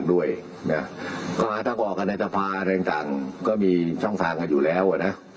มีศาสตราจารย์พิเศษวิชามหาคุณเป็นประเทศด้านกรวมความวิทยาลัยธรม